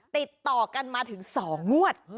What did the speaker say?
ติดต่อกันมาถึง๒งวด